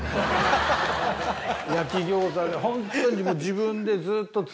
焼き餃子でホントに自分でずっと。